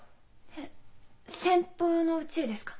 えっ先方のうちへですか？